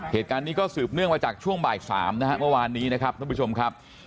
เหตุการณ์นี้ก็สืบเนื่องมาจากช่วงบ่าย๓นะฮะเมื่อวานนี้นะครับท่านผู้ชมครับ